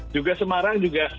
juga semarang juga